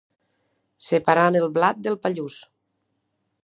Separant el blat del pallús.